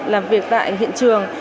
làm việc tại hiện trường